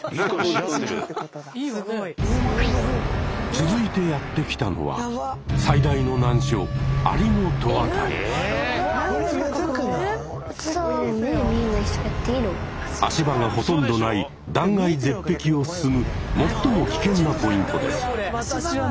続いてやって来たのは最大の難所足場がほとんどない断崖絶壁を進む最も危険なポイントです。